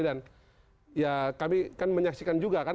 dan ya kami kan menyaksikan juga kan